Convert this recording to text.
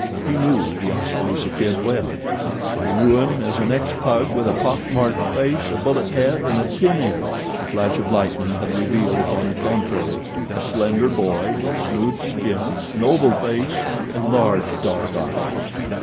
He knew The Oskaloosa Kid well, and he knew him as an ex pug with a pock marked face, a bullet head, and a tin ear. The flash of lightning had revealed, upon the contrary, a slender boy with smooth skin, an oval face, and large dark eyes.